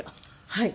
はい。